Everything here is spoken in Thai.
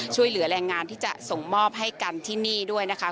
ช่วยเหลือแรงงานที่จะส่งมอบให้กันที่นี่ด้วยนะคะ